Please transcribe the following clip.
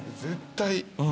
絶対。